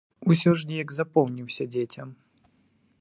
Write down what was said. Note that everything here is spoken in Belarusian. Усё ж неяк запомніўся дзецям.